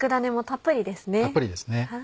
たっぷりですね。